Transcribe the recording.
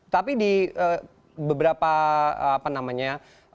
tapi di beberapa apa namanya